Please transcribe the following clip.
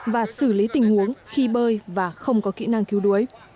và xử lý tình huống khi bơi và không có kỹ năng cứu đuối